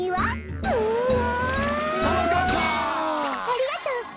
ありがとう。